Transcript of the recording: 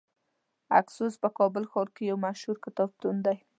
اکسوس په کابل ښار کې یو مشهور کتابتون دی .